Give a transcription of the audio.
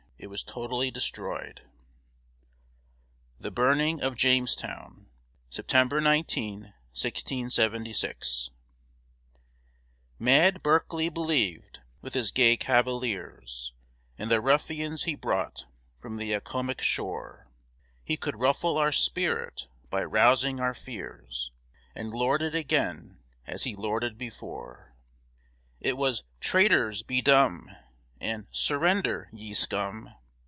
It was totally destroyed. THE BURNING OF JAMESTOWN [September 19, 1676] Mad Berkeley believed, with his gay cavaliers, And the ruffians he brought from the Accomac shore, He could ruffle our spirit by rousing our fears, And lord it again as he lorded before: It was "Traitors, be dumb!" And "Surrender, ye scum!"